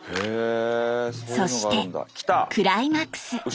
そしてクライマックス。